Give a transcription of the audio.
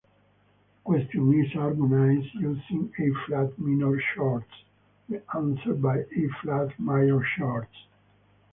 The "question" is harmonized using E-flat minor chords, the "answer" by E-flat major chords.